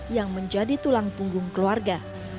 yang menjadi tulang punggung keluarga